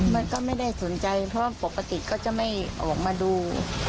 มันก็ไม่ได้สนใจเพราะปกติก็จะไม่ออกมาดู